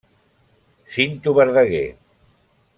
Cinto Verdaguer.